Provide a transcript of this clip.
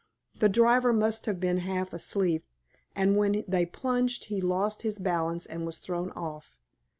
The driver must have been half asleep, and when they plunged he lost his balance and was thrown off.